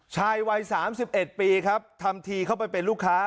ชายวัยสามสิบเอ็ดปีครับทำทีเข้าไปเป็นลูกค้า